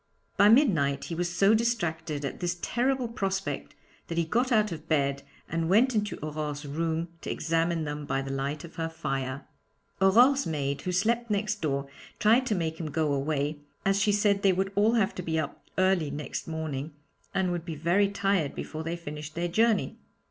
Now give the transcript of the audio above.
By midnight he was so distracted at this terrible prospect that he got out of bed and went into Aurore's room to examine them by the light of her fire. Aurore's maid, who slept next door, tried to make him go away, as she said they would all have to be up early next morning and would be very tired before they finished their journey.